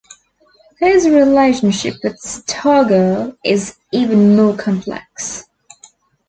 His relationship with Stargirl is even more complex.